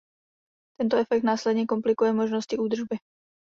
Tento efekt následně komplikuje možnosti údržby.